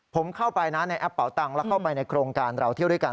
ผมเข้าไปนะในแอปเป่าตังค์แล้วเข้าไปในโครงการเราเที่ยวด้วยกัน